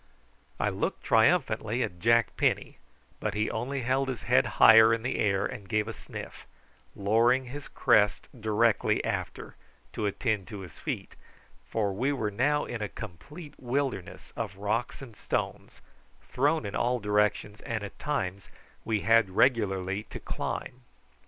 I looked triumphantly at Jack Penny, but he only held his head higher in the air and gave a sniff, lowering his crest directly after to attend to his feet, for we were now in a complete wilderness of rocks and stones, thrown in all directions, and at times we had regularly to climb.